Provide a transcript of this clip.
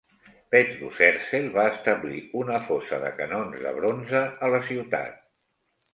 Petru Cercel va establir una fosa de canons de bronze a la ciutat.